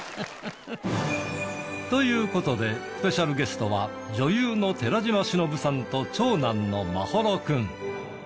という事でスペシャルゲストは女優の寺島しのぶさんと長男の眞秀君。